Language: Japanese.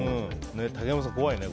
竹山さん、怖いね。